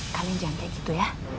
kalian jangan kayak gitu ya